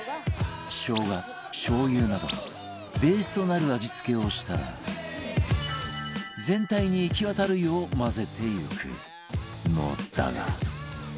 生姜しょう油などベースとなる味付けをしたら全体に行き渡るよう混ぜていくのだが